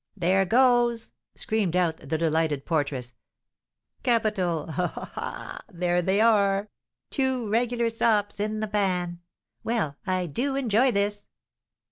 "There goes!" screamed out the delighted porteress. "Capital! Ha, ha, ha! there they are! two regular sops, in the pan! Well, I do enjoy this!"